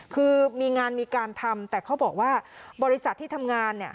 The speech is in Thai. คือมีงานมีการทำแต่เขาบอกว่าบริษัทที่ทำงานเนี่ย